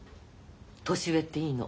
年上っていいの。